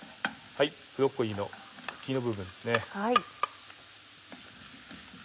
ブロッコリーの茎の部分ですね。